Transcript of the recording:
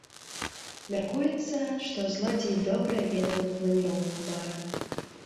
Мяркуецца, што злодзей добра ведаў планіроўку бара.